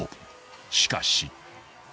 ［しかし］